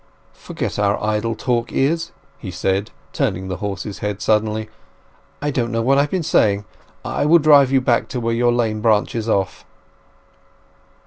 _" "Forget our idle talk, Izz," he said, turning the horse's head suddenly. "I don't know what I've been saying! I will now drive you back to where your lane branches off."